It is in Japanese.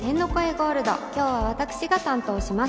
ゴールド、今日は私が担当します。